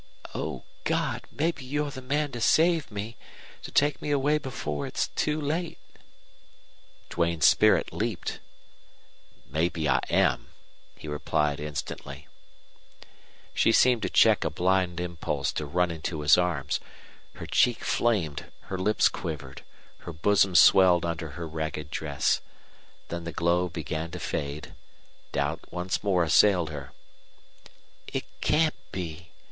"O God! Maybe you're the man to save me to take me away before it's too late." Duane's spirit leaped. "Maybe I am," he replied, instantly. She seemed to check a blind impulse to run into his arms. Her cheek flamed, her lips quivered, her bosom swelled under her ragged dress. Then the glow began to fade; doubt once more assailed her. "It can't be.